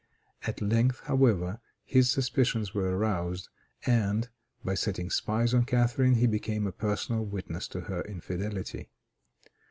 At length, however, his suspicions were aroused, and, by setting spies on Catharine, he became a personal witness to her infidelity.